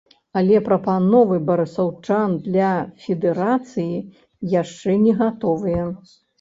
Але прапановы барысаўчан для федэрацыі яшчэ не гатовыя.